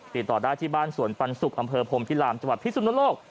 ติดต่อได้ที่บ้านสวนปันสุกอำเภอพรมพิรามจังหวัดพิสุนโลก